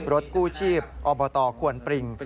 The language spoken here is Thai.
รถกู้ชีพอบตควนปริง